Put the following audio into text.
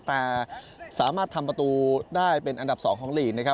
แต่สามารถทำประตูได้เป็นอันดับ๒ของลีกนะครับ